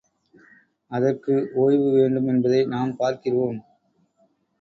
அதற்கு ஓய்வு வேண்டும் என்பதை நாம் பார்க்கிறோம்.